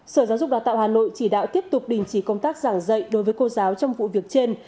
sở giáo dục đào tạo hà nội chỉ đạo tiếp tục đình chỉ công tác giảng dạy đối với cô giáo trong vụ việc trên